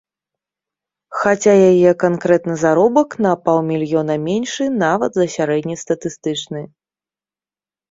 Хаця яе канкрэтны заробак на паўмільёна меншы нават за сярэднестатыстычны.